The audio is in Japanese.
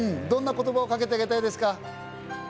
どんな言葉をかけてあげたいですか？